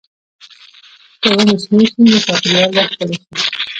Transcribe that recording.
که ونې شنې شي، نو چاپېریال به ښکلی شي.